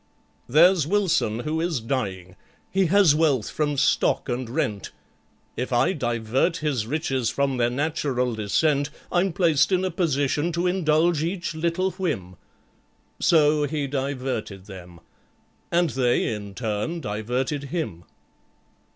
"There's WILSON who is dying—he has wealth from Stock and rent— If I divert his riches from their natural descent, I'm placed in a position to indulge each little whim." So he diverted them—and they, in turn, diverted him.